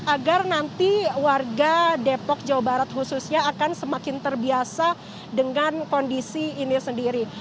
agar nanti warga depok jawa barat khususnya akan semakin terbiasa dengan kondisi ini sendiri